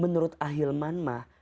menurut ah hilman mah